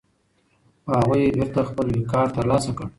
خو هغوی بېرته خپل وقار ترلاسه کړ.